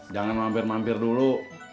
jangan mampir mampir dulu